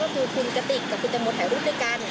ก็คือคุณกติกกับคุณตังโมถ่ายรูปด้วยกัน